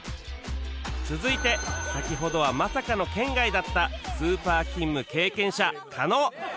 続いて先ほどはまさかの圏外だったスーパー勤務経験者加納